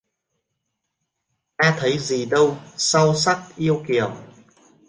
Ta thấy gì đâu sau sắc yêu kiều